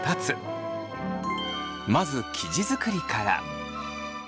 まず生地作りから。